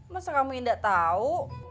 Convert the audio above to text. masa kamu enggak tahu